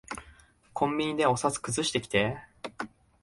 コンビニでお札くずしてきて。